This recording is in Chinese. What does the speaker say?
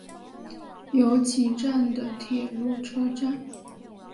由岐站的铁路车站。